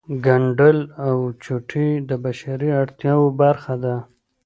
ګنډل او چوټې د بشري اړتیاوو برخه ده